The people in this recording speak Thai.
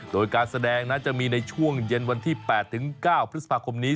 โดยการแสดงนั้นจะมีในช่วงเย็นวันที่๘๙พฤษภาคมนี้